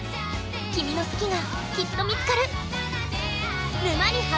君の好きがきっと見つかる！